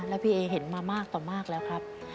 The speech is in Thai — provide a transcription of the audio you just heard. แล้วพี่เอเห็นมามากต่อมากแล้วครับ